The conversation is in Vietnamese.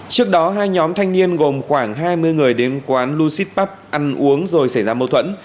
trước đó hai nhóm thanh niên gồm khoảng hai mươi người đến quán luxit pup ăn uống rồi xảy ra mâu thuẫn